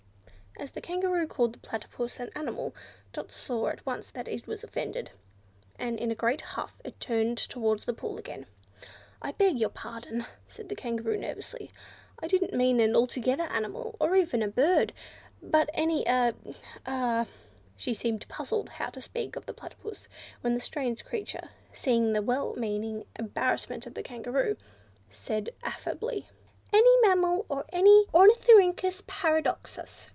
As the Kangaroo called the Platypus an animal, Dot saw at once that it was offended, and in a great huff it turned towards the pool again. "I beg your pardon," said the Kangaroo nervously. "I didn't mean an altogether animal, or even a bird, but any a—a—a—." She seemed puzzled how to speak of the Platypus, when the strange creature, seeing the well meaning embarrassment of the Kangaroo, said affably, "any mammal or Ornithorhynchus Paradoxus."